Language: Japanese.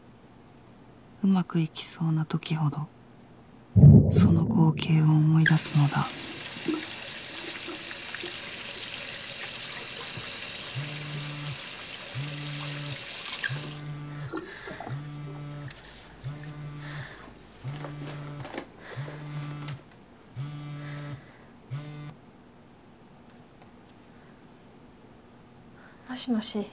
上手くいきそうな時ほどその光景を思い出すのだもしもし。